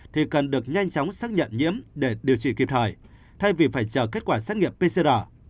thì cần được nhanh chóng xác nhận nhiễm để điều trị kịp thời thay vì phải chờ kết quả xét nghiệm pcr